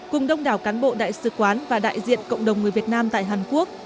cùng đông đảo cán bộ đại sứ quán và đại diện cộng đồng người việt nam tại hàn quốc